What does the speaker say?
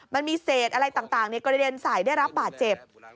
มันมีเศษอะไรต่างกระเด็นใส่ได้รับบาดเจ็บ